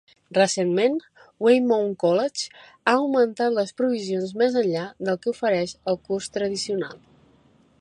Recentment, Weymouth College ha augmentat les provisions més enllà del que ofereix el curs tradicional.